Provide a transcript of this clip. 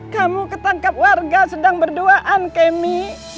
kamu ketangkap warga sedang berduaan kemi